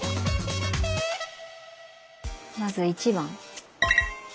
まず１番。